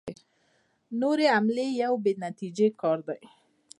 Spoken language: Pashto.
نورې حملې یو بې نتیجې کار دی.